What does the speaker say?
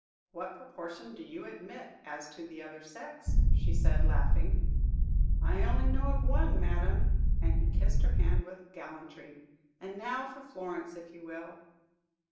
"What proportion do you admit as to the other sex?" said she, laughing. "I only know of one, madame;" and he kissed her hand with gallantry. "And now for Florence, if you will."